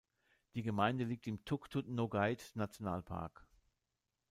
Die Gemeinde liegt im Tuktut-Nogait-Nationalpark.